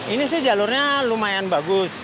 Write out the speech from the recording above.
ini sih jalurnya lumayan bagus